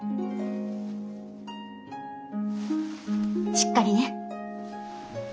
しっかりね。